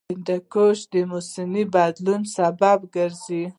هندوکش د موسم د بدلون سبب کېږي.